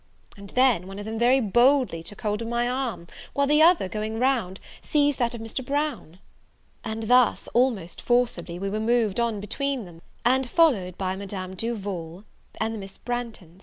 and then, one of them very boldly took hold of my arm, while the other, going round, seized that of Mr. Brown; and thus, almost forcibly, we were moved on between them, and followed by Madame Duval and the Miss Branghton.